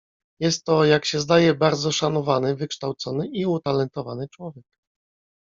"Jest to, jak się zdaje, bardzo szanowany, wykształcony i utalentowany człowiek."